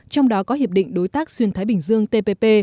trong đó có hiệp định đối tác xuyên thái bình dương tpp